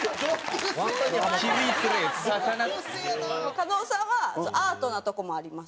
加納さんはアートなとこもあります。